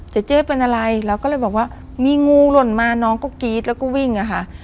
เจ๊เจ๊เป็นอะไรเราก็เลยบอกว่ามีงูหล่นมาน้องก็กรี๊ดแล้วก็วิ่งอะค่ะ